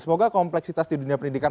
semoga kompleksitas di dunia pendidikan